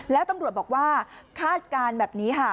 แล้วตำรวจบอกว่าคาดการณ์แบบนี้ค่ะ